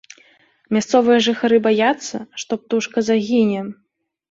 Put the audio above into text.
Мясцовыя жыхары баяцца, што птушка загіне.